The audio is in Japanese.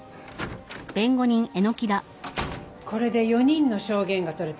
これで４人の証言が取れた。